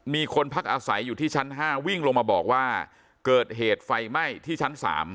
มีคนพักอาศัยอยู่ที่ชั้น๕วิ่งลงมาบอกว่าเกิดเหตุไฟไหม้ที่ชั้น๓